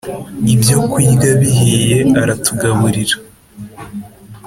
Ibyo kurya bihiye aratugaburira